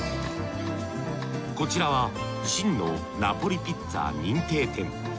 こちらは真のナポリピッツァ認定店。